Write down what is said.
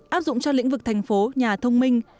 áp dụng cho lĩnh vực thành phố nhà thông minh